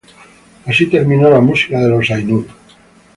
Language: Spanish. Así terminó la Música de los Ainur.